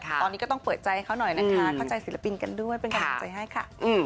ตอนนี้ก็ต้องเปิดใจเขาหน่อยนะคะเข้าใจศิลปินกันด้วยเป็นกำลังใจให้ค่ะ